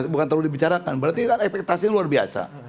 berarti kan efektasinya luar biasa